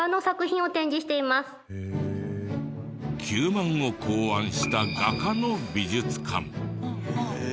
灸まんを考案した画家の美術館。